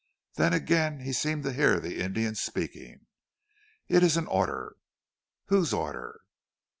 Then again he seemed to hear the Indian speaking. "It is an order!" "Whose order?"